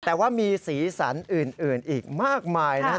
แต่ว่ามีสีสันอื่นอีกมากมายนะครับ